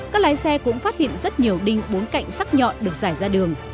các lái xe cũng phát hiện rất nhiều đinh bốn cạnh sắc nhọn được giải ra đường